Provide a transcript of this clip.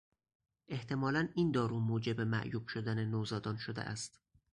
احتمالا این دارو موجب معیوب شدن نوزادان شده است.